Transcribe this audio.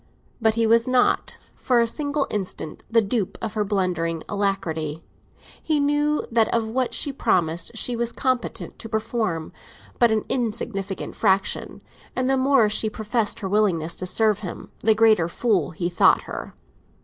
But he was not for a single instant the dupe of her blundering alacrity; he knew that of what she promised she was competent to perform but an insignificant fraction, and the more she professed her willingness to serve him, the greater fool he thought her.